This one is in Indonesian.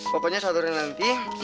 pokoknya satu hari nanti